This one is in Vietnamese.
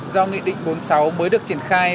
do nghị định bốn mươi sáu mới được triển khai